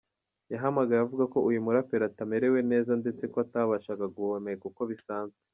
Yahamagaye avuga ko uyu muraperi atamerewe neza ndetse ko atabashaga guhumeka uko bisanzwe.